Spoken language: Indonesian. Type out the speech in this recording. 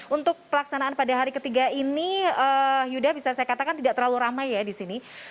untuk pelaksanaan pada hari ketiga ini yuda bisa saya katakan tidak terlalu ramai ya di sini